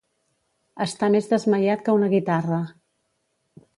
Estar més desmaiat que una guitarra.